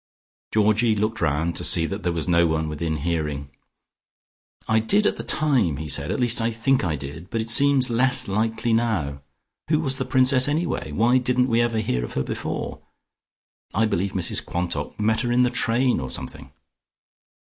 Georgie looked round to see that there was no one within hearing. "I did at the time," he said, "at least I think I did. But it seems less likely now. Who was the Princess anyway? Why didn't we ever hear of her before? I believe Mrs Quantock met her in the train or something."